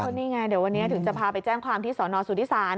นี่ไงเดี๋ยววันนี้ถึงจะพาไปแจ้งความที่สอนอสุทธิศาล